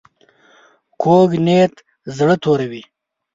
کوږ نیت زړه توروي